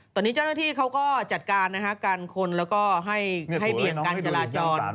ตอนนี้เจ้าหน้าที่เขาก็จัดการนะฮะกันคนแล้วก็ให้เบี่ยงการจราจร